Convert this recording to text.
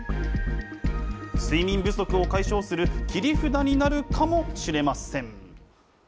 睡眠不足を解消する切り札になるかもしれません。